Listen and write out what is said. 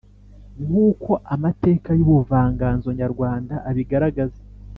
nkuko amateka y’ubuvanganzo nyarwanda abigaragaza,